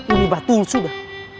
ini batul sudah